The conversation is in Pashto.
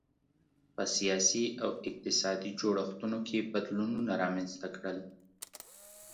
په سیاسي او اقتصادي جوړښتونو کې یې بدلونونه رامنځته کړل.